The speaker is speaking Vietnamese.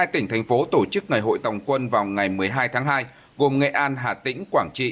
một mươi tỉnh thành phố tổ chức ngày hội tòng quân vào ngày một mươi hai tháng hai gồm nghệ an hà tĩnh quảng trị